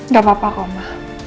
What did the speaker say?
gak apa apa koma